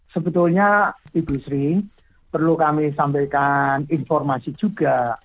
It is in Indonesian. sebetulnya ibu sri perlu kami sampaikan informasi juga